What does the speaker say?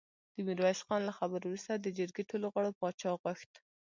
د ميرويس خان له خبرو وروسته د جرګې ټولو غړو پاچا غوښت.